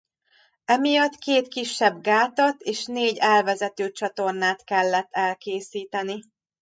Emiatt két kisebb gátat és négy elvezető csatornát kellett elkészíteni.